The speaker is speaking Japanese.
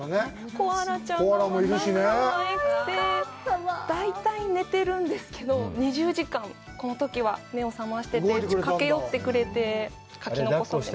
コアラちゃんもまたかわいくて、大体寝ているんですけど、２０時間、このときは目を覚ましてくれて、駆け寄ってくれて、もう。